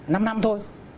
năm năm thôi